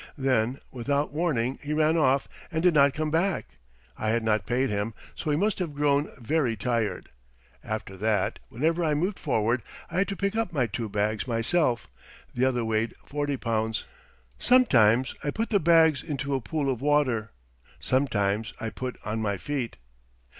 Then, without warning, he ran off and did not come back. I had not paid him, so he must have grown very tired. After that, whenever I moved forward, I had to pick up my two bags myself the other weighed 40 pounds. Sometimes I put the bags into a pool of water sometimes I put my feet.